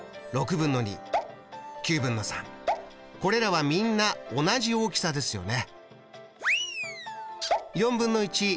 これらはみんな同じ大きさですよね。